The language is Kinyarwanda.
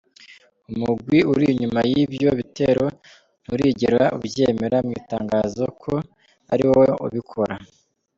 Umugwi uri inyuma w'ivyo bitero nturigera uvyemera mw'itangazo ko ari wo ubikora.